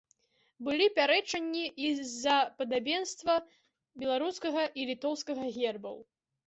Былі пярэчанні і з-за падабенства беларускага і літоўскага гербаў.